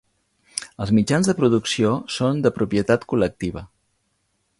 Els mitjans de producció són de propietat col·lectiva.